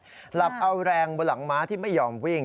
หลับเอาแรงบนหลังม้าที่ไม่ยอมวิ่ง